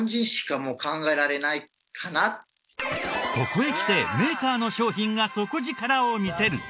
ここへきてメーカーの商品が底力を見せる！